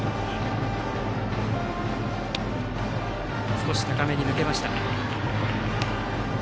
少し高めに抜けました。